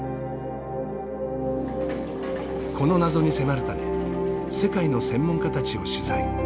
この謎に迫るため世界の専門家たちを取材。